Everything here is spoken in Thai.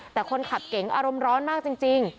แต่คนขับเก๋งอารมณ์ร้อนมากจริง